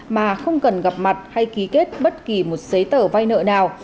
mà không cần gặp mặt hay ký kết bất kỳ một giấy tờ vay nợ nào